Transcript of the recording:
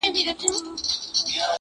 o د فصل خوار يم، د اصل خوار نه يم!